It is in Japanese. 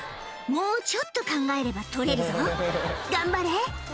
もうちょっと考えれば取れるぞ頑張れ！